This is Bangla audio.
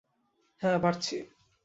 হ্যাঁ, পারছি।